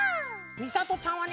みさとちゃんはね